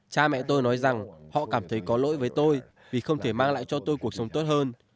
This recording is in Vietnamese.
cha mẹ tôi nói rằng họ cảm thấy có lỗi với tôi vì không thể mang lại cho tôi cuộc sống tốt hơn